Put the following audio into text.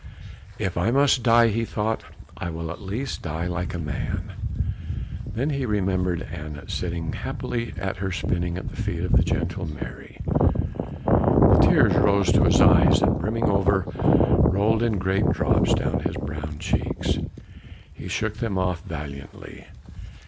"If I must die," he thought, "I will at least die like a man." Then he remembered Anat sitting happily at her spinning at the feet of the gentle Mary; the tears rose to his eyes and brimming over rolled in great drops down his brown cheeks. He shook them off valiantly.